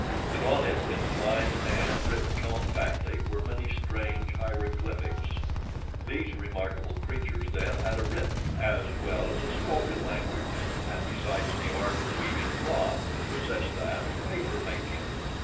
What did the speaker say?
And on it, in a fine hand, written compactly, were many strange hieroglyphics! These remarkable creatures, then, had a written as well as a spoken language and besides the art of weaving cloth possessed that of paper making.